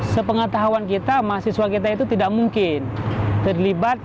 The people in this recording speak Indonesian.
sepengetahuan kita mahasiswa kita itu tidak mungkin terlibat